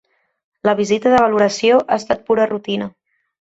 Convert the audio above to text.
La visita de valoració ha estat pura rutina.